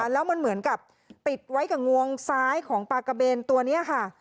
แล้วมันเหมือนกับติดไว้กับงวงซ้ายของปากะเบนตัวนี้ค่ะ